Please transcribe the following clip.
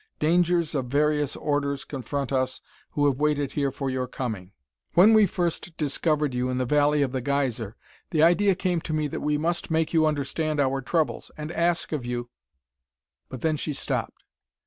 Dangers of various orders confront us who have waited here for your coming. When we first discovered you in the Valley of the Geyser, the idea came to me that we must make you understand our troubles, and ask of you " But then she stopped.